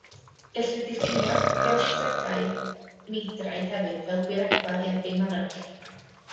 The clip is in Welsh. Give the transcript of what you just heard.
Gellir diffinio geometregau meidraidd hefyd fel gwirebau, a dim arall.